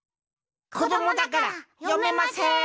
こどもだからよめません。